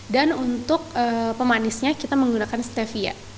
dan untuk pemanisnya kita menggunakan stevia